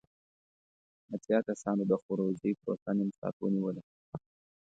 اتیا کسانو د خروجی پروسه نیم ساعت ونیوله.